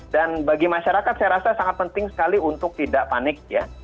dan bagi masyarakat saya rasa sangat penting sekali untuk tidak panik ya